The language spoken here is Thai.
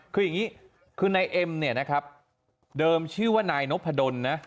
คืออย่างนี้คือนายเอ็มเนี่ยนะครับเดิมชื่อว่านายนพดลนะ